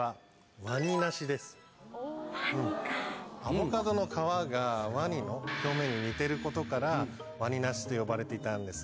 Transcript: アボカドの皮が鰐の表面に似てることから鰐梨と呼ばれていたんです。